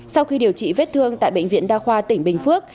sau khi điều trị vết thương tại bệnh viện đa khoa tỉnh bình phước